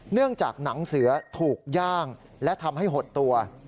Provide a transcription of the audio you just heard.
เนื่องจากหนังเสือถูกย่างและทำให้หดตัว